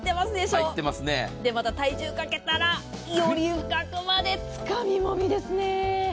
それで体重をかけたらより深くまでつかみもみですね。